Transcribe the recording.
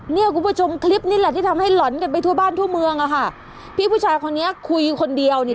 เนี่ยคุณผู้ชมคลิปนี้แหละที่ทำให้หล่อนกันไปทั่วบ้านทั่วเมืองอ่ะค่ะพี่ผู้ชายคนนี้คุยคนเดียวเนี่ย